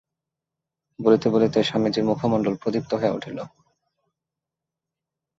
বলিতে বলিতে স্বামীজীর মুখমণ্ডল প্রদীপ্ত হইয়া উঠিল।